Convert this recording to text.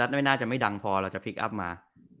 ไม่น่าจะไม่ดังพอเราจะพลิกอัพมา